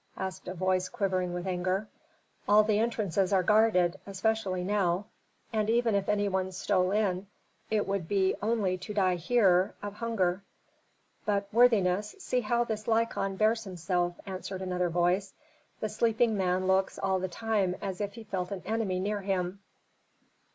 asked a voice quivering with anger. "All the entrances are guarded, especially now. And even if any one stole in it would be only to die here of hunger." "But, worthiness, see how this Lykon bears himself," answered another voice. "The sleeping man looks all the time as if he felt an enemy near him."